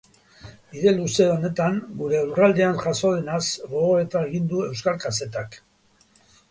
Bide luze honetan gure lurraldean jazo denaz gogoeta egin du euskal kazetak.